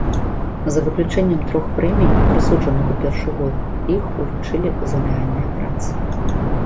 За выключэннем трох прэмій, прысуджаных у першы год, іх уручылі за рэальныя працы.